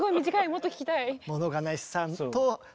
もっと聴きたい。